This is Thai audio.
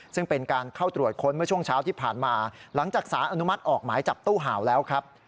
ซึ่งเป็นการเข้าตรวจค้นเมื่อช่วงเช้าที่ผ่านมาหลังจากสารอนุมัติออกหมายจับตู้ห่าวแล้วครับ